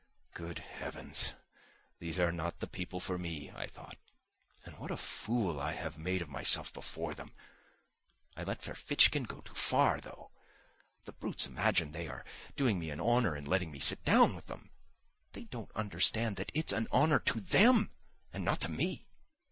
"Good Heavens, these are not the people for me!" I thought. "And what a fool I have made of myself before them! I let Ferfitchkin go too far, though. The brutes imagine they are doing me an honour in letting me sit down with them. They don't understand that it's an honour to them and not to me!